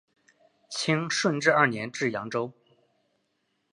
清顺治二年至扬州。